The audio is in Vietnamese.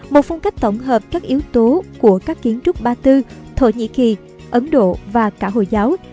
một phong cách tổng hợp các yếu tố của các kiến trúc ba tư thổ nhĩ kỳ ấn độ và cả hồi giáo